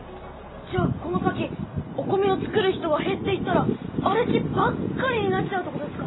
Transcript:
じゃあこの先お米を作る人がへっていったらあれ地ばっかりになっちゃうってことですか？